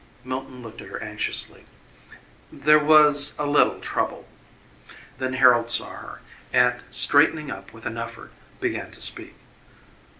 Milton looked at her anxiously. "There was a little trouble " Then Harold saw her and, straightening up with an effort, began to speak.